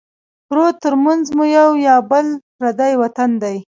پروت ترمنځه مو یو یا بل پردی وطن دی